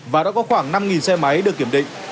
và đã có khoảng năm xe máy được kiểm định